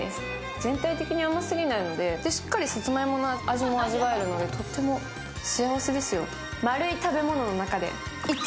全体的に甘すぎないので、で、しっかりさつまいもの味も味わえるので最高です。